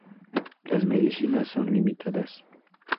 Las medicinas son limitadas.